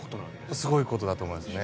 すごいことだと思いますね。